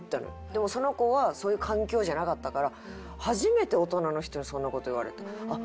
でもその子はそういう環境じゃなかったから初めて大人の人にそんな事言われた。